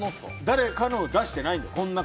誰かのを出してないんだ